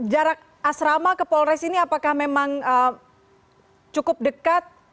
jarak asrama ke polres ini apakah memang cukup dekat